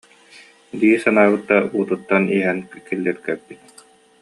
дии санаабыт да, уутуттан иһэн киллиргэппит